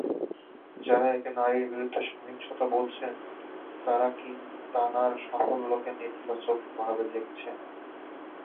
যাঁরা একে নারীর বিরুদ্ধে সহিংসতা বলছেন, তাঁরা কিনতানার সাফল্যকে নেতিবাচকভাবে দেখছেন।